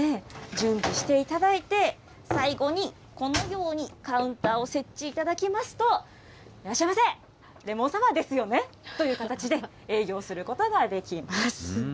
準備していただいて、最後にこのようにカウンターを設置いただきますと、いらっしゃいませ、レモンサワーですよねという形で営業することができる。